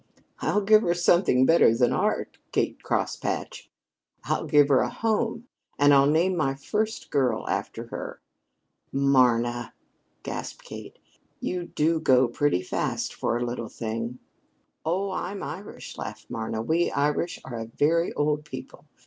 "I'll give her something better than art, Kate Crosspatch. I'll give her a home and I'll name my first girl after her." "Marna!" gasped Kate. "You do go pretty fast for a little thing." "Oh, I'm Irish," laughed Marna. "We Irish are a very old people.